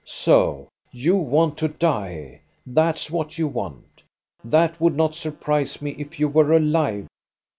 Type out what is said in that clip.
" So you want to die, that 's what you want. That would not surprise me, if you were alive.